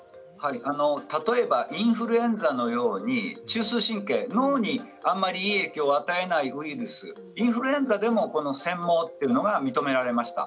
例えばインフルエンザのように中枢神経脳にあまりいい影響を与えないウイルスインフルエンザでもこのせん妄というのが認められました。